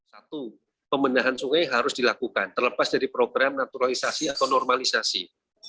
satu pembendahan sungai harus dilakukan terlepas dari program naturalisasi atau normalisasi